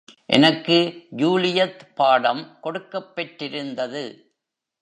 எனக்கு ஜூலியத் பாடம் கொடுக்கப் பெற்றிருந்தது.